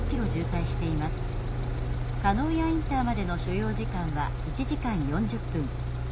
叶谷インターまでの所要時間は１時間４０分」。